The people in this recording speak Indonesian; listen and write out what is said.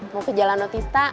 mau ke jalan notista